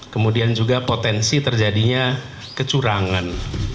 kemudian juga potensi terjadinya kecurangan